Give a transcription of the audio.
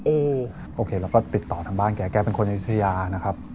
โอเคแล้วก็ติดต่อทางบ้านแกแกเป็นคนในธุรยานะครับ